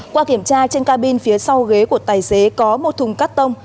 qua kiểm tra trên cabin phía sau ghế của tài xế có một thùng cắt tông